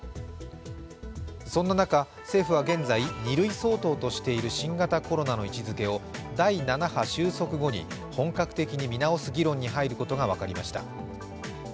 そんな中、政府は現在２類相当としている新型コロナの位置づけを第７波収束後に本格的に見直す議論に入ることが分かりました。